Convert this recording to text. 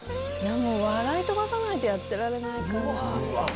もう笑い飛ばさないとやってられない感じ。